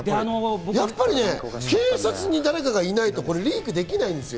やっぱりね、警察に誰かがいないとリークできない。